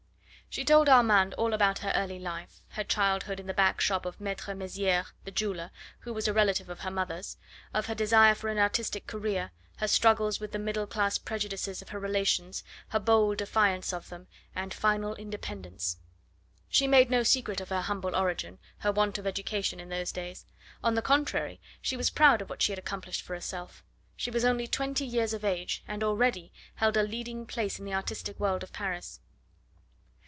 She told Armand all about her early life, her childhood in the backshop of Maitre Meziere, the jeweller, who was a relative of her mother's; of her desire for an artistic career, her struggles with the middle class prejudices of her relations, her bold defiance of them, and final independence. She made no secret of her humble origin, her want of education in those days; on the contrary, she was proud of what she had accomplished for herself. She was only twenty years of age, and already held a leading place in the artistic world of Paris.